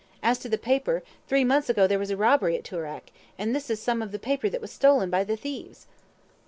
As to the paper, three months ago there was a robbery at Toorak, and this is some of the paper that was stolen by the thieves."